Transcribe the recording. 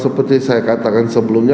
seperti saya katakan sebelumnya